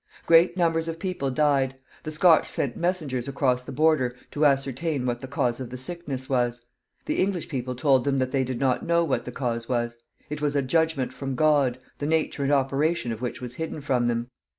Great numbers of people died. The Scotch sent messengers across the border to ascertain what the cause of the sickness was. The English people told them that they did not know what the cause was. It was a judgment from God, the nature and operation of which was hidden from them.